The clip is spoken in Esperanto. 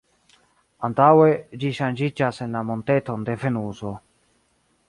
Antaŭe ĝi ŝanĝiĝas en la monteton de Venuso.